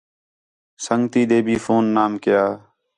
سنڳتی ݙے بھی فون نام کَیا